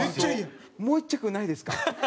もう１着ないですか？